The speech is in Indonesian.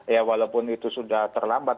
ya walaupun itu sudah terlambat